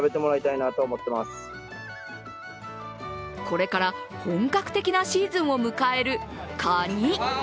これから本格的なシーズンを迎えるかに。